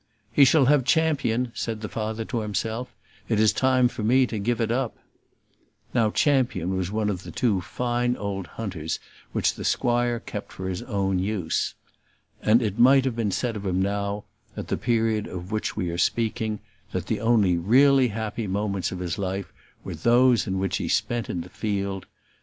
"He shall have Champion," said the father to himself. "It is time for me to give it up." Now Champion was one of the two fine old hunters which the squire kept for his own use. And it might have been said of him now, at the period of which we are speaking, that the only really happy moments of his life were those which he spent in the field.